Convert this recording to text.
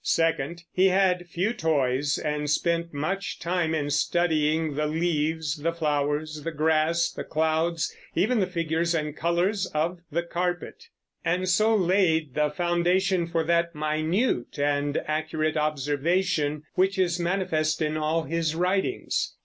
Second, he had few toys, and spent much time in studying the leaves, the flowers, the grass, the clouds, even the figures and colors of the carpet, and so laid the foundation for that minute and accurate observation which is manifest in all his writings.